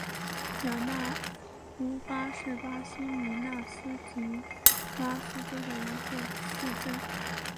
雅纳乌巴是巴西米纳斯吉拉斯州的一个市镇。